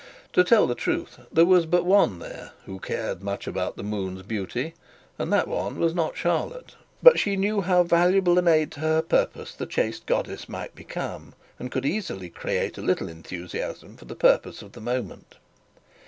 To tell the truth, there was but one there who cared much about the moon's beauty, and that one was not Charlotte; but she knew how valuable an aid to her purpose the chaste goddess might become, and could easily create a little enthusiasm for the purpose of the moment.